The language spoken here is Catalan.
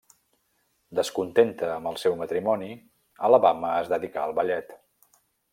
Descontenta amb el seu matrimoni, Alabama es dedicà al ballet.